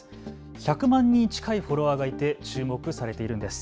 １００万人近いフォロワーがいて注目されているんです。